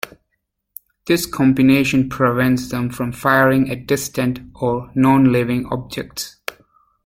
This combination prevents them from firing at distant or non-living objects.